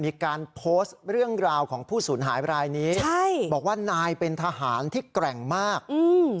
มีการโพสต์เรื่องราวของผู้สูญหายรายนี้ใช่บอกว่านายเป็นทหารที่แกร่งมากอืม